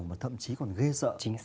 mà thậm chí còn gây sợ